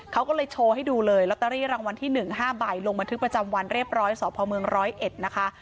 เขาก็เลยโชว์ให้ดูเลยลอตเตอรี่รางวัลที่๑๕ใบลงบันทึกประจำวันเรียบร้อยสพเมืองร้อยเอ็ดนะคะ